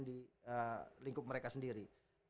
di lingkup mereka sendiri